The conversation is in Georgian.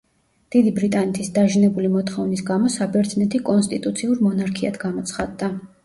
დიდი ბრიტანეთის დაჟინებული მოთხოვნის გამო საბერძნეთი კონსტიტუციურ მონარქიად გამოცხადდა.